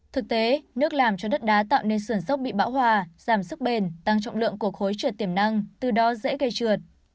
thực tế nước làm cho đất đá tạo nên sườn sốc bị bão hòa giảm sức bền tăng trọng lượng của khối trượt tiềm năng từ đó dễ gây trượt